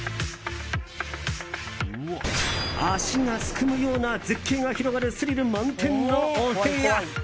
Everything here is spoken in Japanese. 足がすくむような絶景が広がるスリル満点のお部屋。